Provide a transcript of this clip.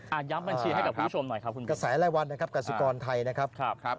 อ่ะย้ำบัญชีให้คุณผู้ชมหน่อยครับอ่ะกระแสไร้วันกับกราสิกรไทยนะครับ